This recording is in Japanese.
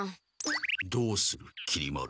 どうするきり丸。